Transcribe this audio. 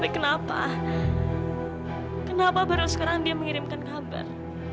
kenapa kenapa baru sekarang dia mengirimkan kabar